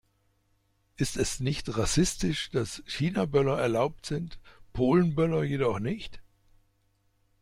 Ist es nicht rassistisch, dass Chinaböller erlaubt sind, Polenböller jedoch nicht?